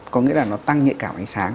có nghĩa là nó tăng nhạy cảm ánh sáng